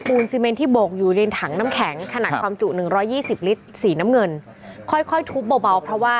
ปูนซีเม้นที่โบกอยู่ในถังน้ำแข็งขนาดความจุ๑๒๐ลิตรสีน้ำเงินค่อยทบเบาเพราะว่า